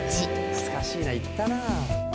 懐かしいな行ったな。